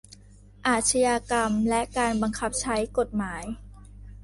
อาชญากรรมและการบังคับใช้กฎหมาย